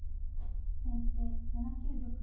先手７九玉。